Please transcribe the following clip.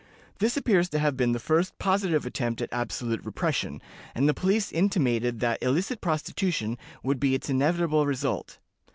This appears to have been the first positive attempt at absolute repression, and the police intimated that illicit prostitution would be its inevitable result.